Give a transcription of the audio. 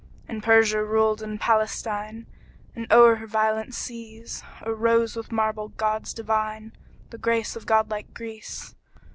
And Persia ruled and Palestine; And o'er her violet seas Arose, with marble gods divine, The grace of god like Greece.